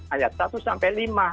ayat satu sampai lima